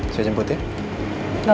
saya jemput ya